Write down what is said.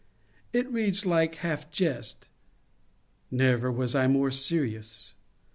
It reads like half jest : never was I more serious.